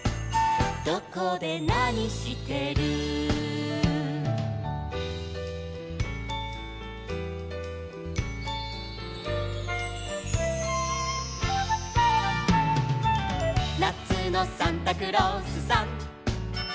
「どこでなにしてる」「なつのサンタクロースさん」